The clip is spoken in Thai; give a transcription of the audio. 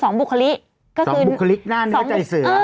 สองบุคลิกหน้าเนื้อใจเสือ